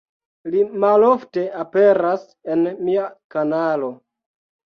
Li malofte aperas en mia kanalo